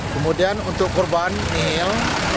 kemudian untuk korban mil